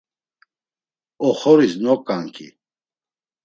Oxoris noǩanǩi.